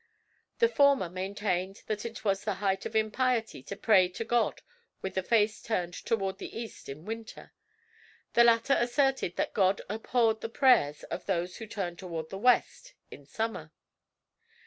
The former maintained that it was the height of impiety to pray to God with the face turned toward the east in winter; the latter asserted that God abhorred the prayers of those who turned toward the west in summer.